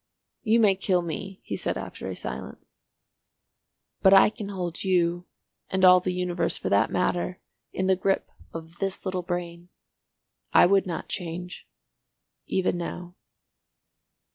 "You may kill me," he said after a silence. "But I can hold you—and all the universe for that matter—in the grip of this little brain. I would not change. Even now."